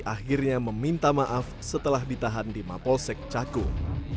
akhirnya meminta maaf setelah ditahan di mapolsek cakung